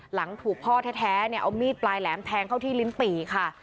หลังถูกพ่อแท้เนี่ยเอามีดปลายแหลมแทงเข้าที่ลิ้นปี่ค่ะ